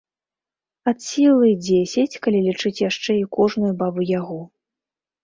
Ад сілы дзесяць, калі лічыць яшчэ і кожную бабу-ягу.